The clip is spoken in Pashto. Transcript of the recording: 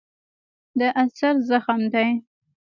د السر زخم دی.